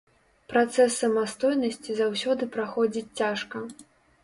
Працэс самастойнасці заўсёды праходзіць цяжка.